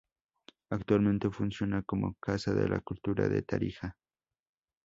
Actualmente funciona como Casa de la Cultura de Tarija.